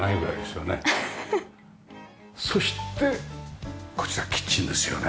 そしてこちらキッチンですよね。